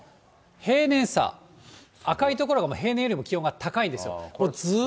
平年差、赤いところが平年よりも気温が高いんですよ。